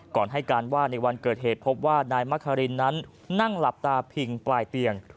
ก่อนให้การว่าในวันเกิดเหตุพบว่านายมะคารินนั้นนั่งหลับตาพิงปลายเตียง